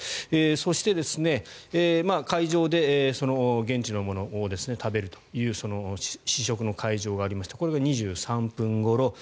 そして、会場でその現地のものを食べるという試食の会場がありましてこれが２３分ごろ。